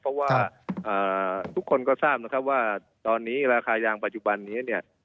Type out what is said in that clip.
เพราะว่าทุกคนก็ทราบนะครับว่าตอนนี้ราคายางปัจจุบันนี้เนี่ย